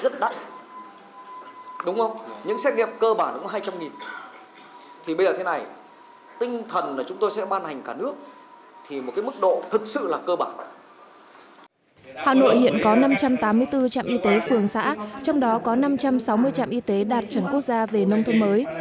trung bình mỗi trạm y tế đạt chuẩn quốc gia về nông thôn mới